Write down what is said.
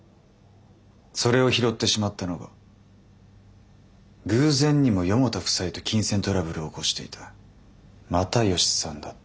それを拾ってしまったのが偶然にも四方田夫妻と金銭トラブルを起こしていた又吉さんだった。